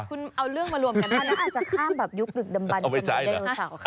คุณเอาเรื่องมารวมกันแล้วอาจจะข้ามแบบยุคดึกดำบันสำหรับไดโนเซาค่ะ